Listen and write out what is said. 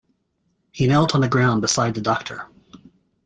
He knelt on the ground beside the doctor.